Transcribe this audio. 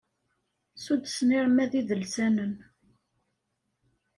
Suddsen irmad idelsanen.